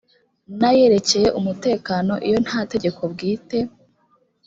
n ayerekeye umutekano iyo nta tegeko bwite